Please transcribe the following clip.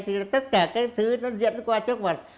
thì tất cả các thứ nó diễn qua trước mặt